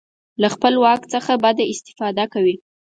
له خپل واک څخه بده استفاده کوي.